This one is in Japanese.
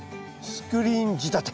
スクリーン仕立て！